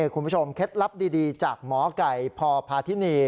เคล็ดลับดีจากหมอไก่พพาธินี